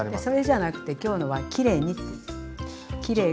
それじゃなくて今日のはきれいにって。